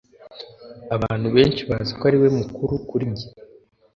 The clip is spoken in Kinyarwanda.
Abantu benshi baziko ariwe mukuru kuri njye